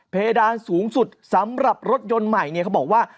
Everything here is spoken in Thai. เพดานสูงสุดสำหรับรถยนต์ใหม่เนี่ยเขาบอกว่า